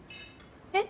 えっ？